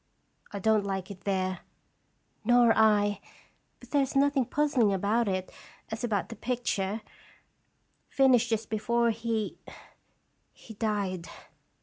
"I don't like it there." " Nor I; but there is nothing puzzling about it as about the picture, finished just before he he died.